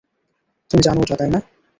তুমি জানো ওটা, তাই না?